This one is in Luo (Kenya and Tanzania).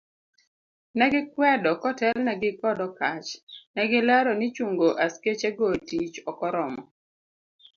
Ne gikwedo kotelnegi kod Okatch, negilero ni chungo askechego etich ok oromo.